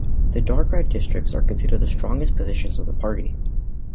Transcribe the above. The dark red districts are considered the strongest positions of the party.